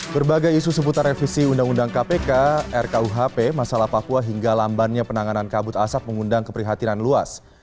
berbagai isu seputar revisi undang undang kpk rkuhp masalah papua hingga lambannya penanganan kabut asap mengundang keprihatinan luas